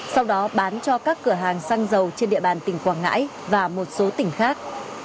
sau đó bán cho các cửa hàng xăng dầu trên địa bàn tỉnh quảng ngãi và một số tỉnh khác